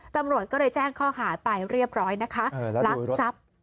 ตำรวจก็เลยแจ้งข้อหาไปเรียบร้อยนะคะลักทรัพย์